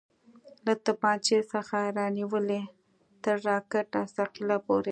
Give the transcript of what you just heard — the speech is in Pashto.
له تمانچې څخه رانيولې تر راکټ او ثقيله پورې.